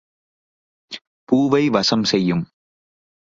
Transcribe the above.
பூவை வசம் செய்யும்.